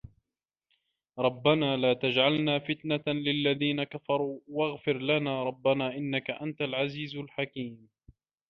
رَبَّنا لا تَجعَلنا فِتنَةً لِلَّذينَ كَفَروا وَاغفِر لَنا رَبَّنا إِنَّكَ أَنتَ العَزيزُ الحَكيمُ